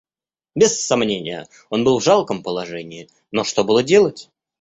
Без сомнения, он был в жалком положении, но что было делать?